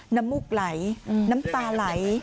น้ำมุกไหลน้ำตาไหล